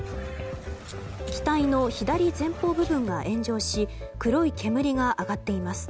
機体の左前方部分が炎上し黒い煙が上がっています。